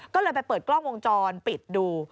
ก็เลยไปเปิดกล้องวงจรปิดดู